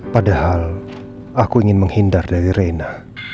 padahal aku ingin menghindar dari reina